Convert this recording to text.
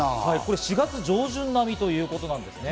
４月上旬並みということなんですね。